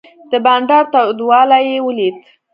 د بانډار تودوالی یې ولید.